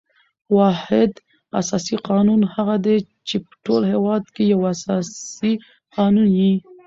واحد اساسي قانون هغه دئ، چي په ټول هیواد کښي یو اساسي قانون يي.